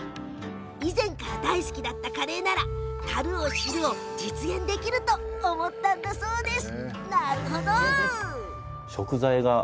以前から大好きだったカレーなら足るを知るを実現できると思ったそうです。